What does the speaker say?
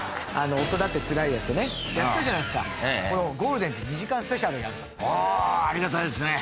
「夫だってつらいよ」ってねやってたじゃないですかこのゴールデンで２時間ＳＰをやるとおおありがたいですね